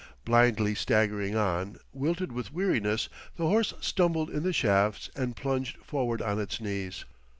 Blindly staggering on, wilted with weariness, the horse stumbled in the shafts and plunged forward on its knees.